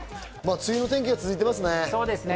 梅雨の天気が続いてますね。